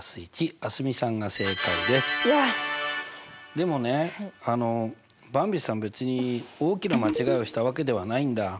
でもねばんびさん別に大きな間違いをしたわけではないんだ。